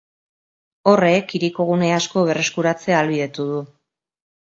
Horrek hiriko gune asko berreskuratzea ahalbidetu du.